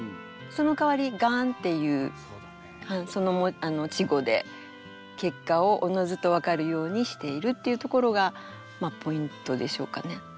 そのかわり「ガーン」っていうその稚語で結果をおのずと分かるようにしているっていうところがまあポイントでしょうかね。